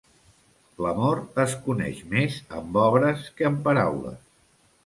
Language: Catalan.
L'amor es coneix més amb obres que amb paraules.